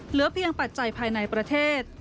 เหลือเพียงปัจจัยภายในประเทศ